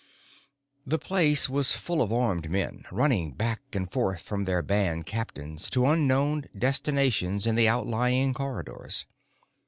The place was full of armed men, running back and forth from their band captains to unknown destinations in the outlying corridors.